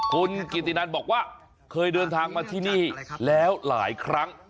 คุณกิตินันบอกว่าเคยเดินทางมาที่นี่แล้วหลายครั้ง